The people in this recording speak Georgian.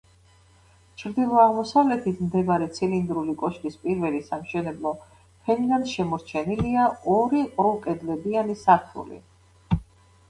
ჩრდილო-აღმოსავლეთით მდებარე ცილინდრული კოშკის პირველი სამშენებლო ფენიდან შემორჩენილია ორი ყრუკედლებიანი სართული.